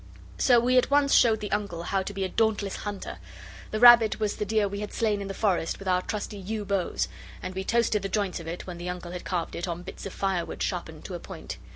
So we at once showed the Uncle how to be a dauntless hunter. The rabbit was the deer we had slain in the green forest with our trusty yew bows, and we toasted the joints of it, when the Uncle had carved it, on bits of firewood sharpened to a point.